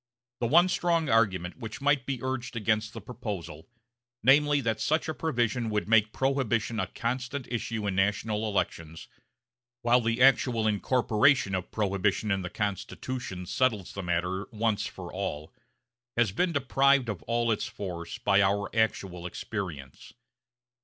The one strong argument which might be urged against the proposal namely that such a provision would make Prohibition a constant issue in national elections, while the actual incorporation of Prohibition in the Constitution settles the matter once for all has been deprived of all its force by our actual experience.